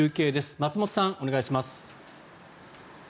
松本さん、お願いします。